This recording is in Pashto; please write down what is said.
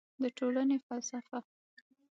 د ټولنې فلسفه